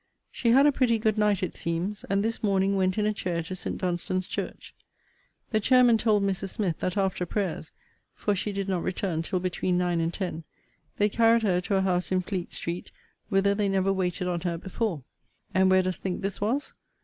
She had a pretty good night, it seems; and this morning went in a chair to St. Dunstan's church. The chairmen told Mrs. Smith, that after prayers (for she did not return till between nine and ten) they carried her to a house in Fleet street, whither they never waited on her before. And where dost think this was?